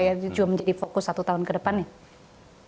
itu juga menjadi fokus satu tahun ke depan ya